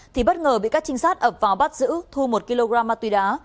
thì bất ngờ bị các trinh sát ập vào bắt giữ thu một kg ma túy đá